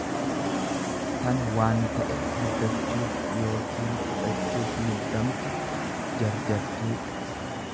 tan waan ta'e argachuuf yookiin fudhachuuf muddamtu, jarjartu.